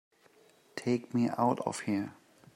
Take me out of here!